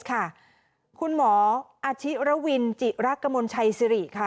คุณหมออาชีรวินจิรักมนต์ชัยซิริ